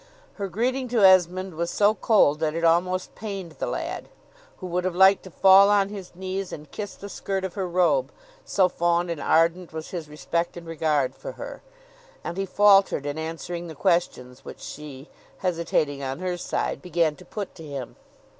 Her greeting to Esmond was so cold that it almost pained the lad, (who would have liked to fall on his knees, and kiss the skirt of her robe, so fond and ardent was his respect and regard for her,) and he faltered in answering the questions which she, hesitating on her side, began to put to him.